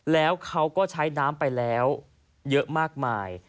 แล้วเขาก็ใช้น้ำไปแล้วเยอะมากมาย